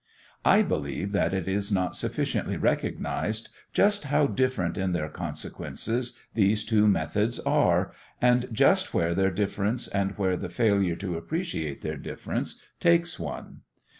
I believe that it is not sufficiently recognized just how different in their consequences these two methods are, and just where their difference and where the failure to appreciate their difference takes one.